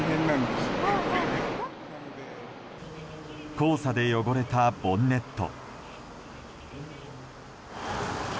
黄砂で汚れたボンネット。